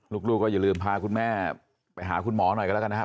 ลูกก็อย่าลืมพาคุณแม่ไปหาคุณหมอหน่อยกันแล้วกันนะครับ